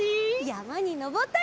やまにのぼったり。